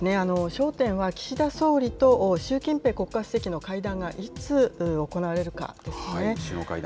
焦点は、岸田総理と習近平国家主席の会談がいつ行われるかですね。